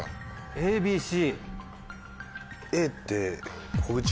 ＡＢＣ。